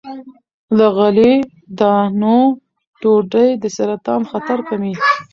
له غلې- دانو ډوډۍ د سرطان خطر کموي.